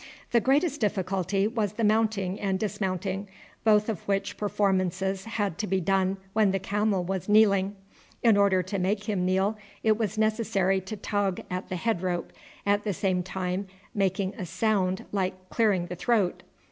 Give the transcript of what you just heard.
The greatest difficulty was the mounting and dismounting, both of which performances had to be done when the camel was kneeling. In order to make him kneel it was necessary to tug at the head rope, at the same time making a sound like clearing the throat.